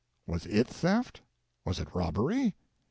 Was it theft, was it robbery